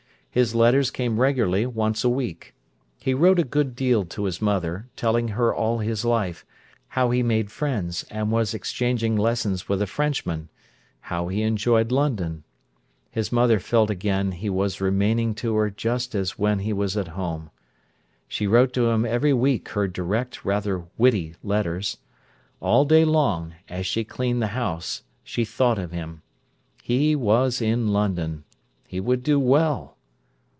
His letters came regularly once a week. He wrote a good deal to his mother, telling her all his life, how he made friends, and was exchanging lessons with a Frenchman, how he enjoyed London. His mother felt again he was remaining to her just as when he was at home. She wrote to him every week her direct, rather witty letters. All day long, as she cleaned the house, she thought of him. He was in London: he would do well.